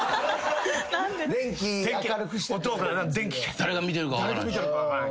誰が見てるか分からんし。